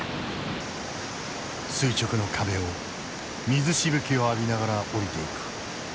垂直の壁を水しぶきを浴びながら降りていく。